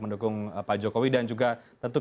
mendukung pak jokowi dan juga tentu